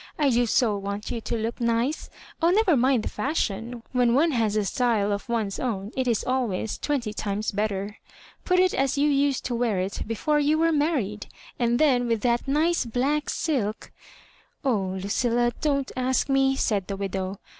I do so want you to look nice. Oh, never mind the fashion. When one has a style of one's own, it is always twehty times better. Put it as you used to wear it before you were married ; and then, with that nice black sUk "*' Oh, Lucilla, don't ask me," said the widow.